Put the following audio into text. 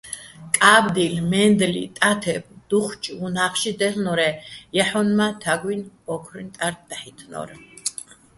კა́ბდილ, მაჲნდლი, ტათებ - დუჴჭ უ̂ნა́ხში დაჲლ'ნორ-ე́ ჲაჰ̦ონ მა́ თაგუჲნი̆ ო́ქრუჲჼ ტარდ დაჰ̦ითინო́რ.